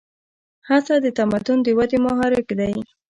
هڅه د تمدن د ودې محرک دی.